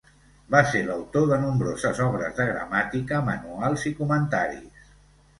Va ser l'autor de nombroses obres de gramàtica, manuals i comentaris.